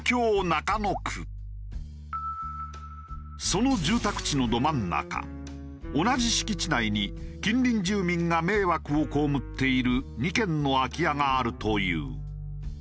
その住宅地のど真ん中同じ敷地内に近隣住民が迷惑をこうむっている２軒の空き家があるという。